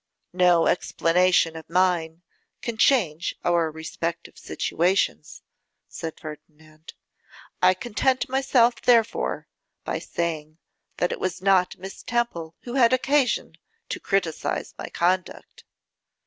'No explanation of mine can change our respective situations,' said Ferdinand; 'I content myself therefore by saying that it was not Miss Temple who had occasion to criticise my conduct.